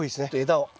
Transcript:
枝を。